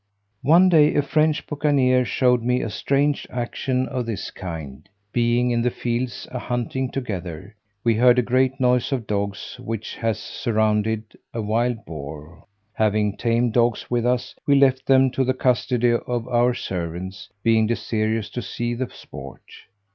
One day a French buccaneer showed me a strange action of this kind: being in the fields a hunting together, we heard a great noise of dogs which has surrounded a wild boar: having tame dogs with us, we left them to the custody of our servants, being desirous to see the sport.